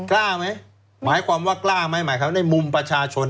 กล้าไหมหมายความว่ากล้าไหมหมายความในมุมประชาชน